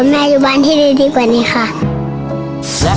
แม่จะได้ไม่ต้องเหนื่อยค่ะ